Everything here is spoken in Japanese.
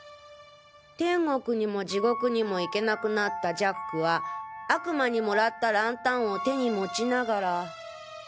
天国にも地獄にも行けなくなったジャックは悪魔にもらったランタンを手に持ちながら。